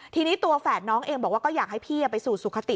ทีนี้ตัวแฝดน้องเองบอกว่าก็อยากให้พี่ไปสู่สุขติ